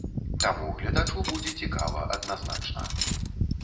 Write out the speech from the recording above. Таму гледачу будзе цікава адназначна!